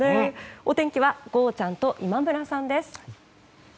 お天気はゴーちゃん。と今村さんです。